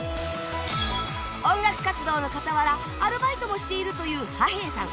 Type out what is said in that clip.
音楽活動の傍らアルバイトもしているというはへーさん